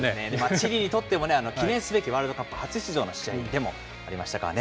チリにとってもね、記念すべき、ワールドカップ初出場の試合でもありましたからね。